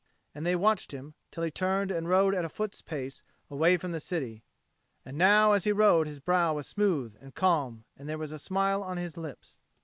And they watched him till he turned and rode at a foot's pace away from the city. And now as he rode his brow was smooth and calm and there was a smile on his lips.